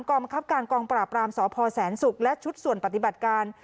กรรมคับการกองปราบรามสพแสนศุกร์และชุดส่วนปฏิบัติการ